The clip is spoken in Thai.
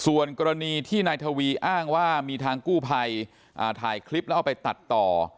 ส่วนกรณีที่นายทวีอ้างว่ามีทางกู้ภัยถ่ายคลิปแล้วเอาไปตัดต่อ